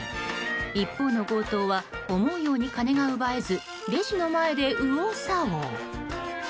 一方の強盗は思うように金が奪えずレジの前で右往左往。